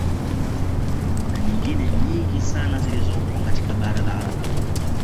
Na nyingine nyingi sana zilizopo katika bara la Afrika